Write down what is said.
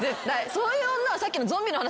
そういう女はさっきの。